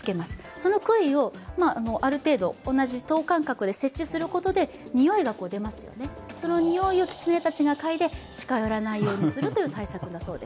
そのくいをある程度等間隔で設置することでにおいが出ますよね、それをキツネたちが嗅いで、近寄らないようにするという対策です。